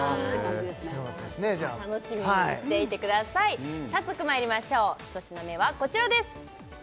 じゃあ楽しみにしていてください早速まいりましょう一品目はこちらです